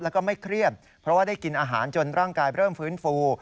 แล้วก็ไม่เครียดเพราะว่าได้กินอาหารจนร่างกายเริ่มฟื้นฟู